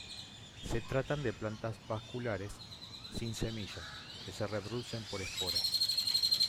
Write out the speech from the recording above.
Se tratan de plantas vasculares, sin semilla, que se reproducen por esporas.